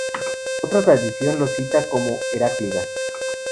Otra tradición los cita como Heráclidas.